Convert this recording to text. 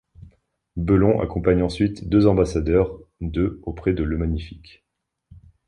Belon accompagne ensuite deux ambassadeurs de auprès de le Magnifique.